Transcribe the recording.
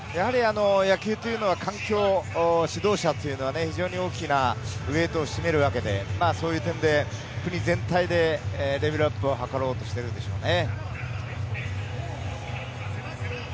野球というのは環境、指導者が非常に大きなウエイトを占めるわけで、そういう点で国全体でレベルアップを図ろうとしているんでしょうね。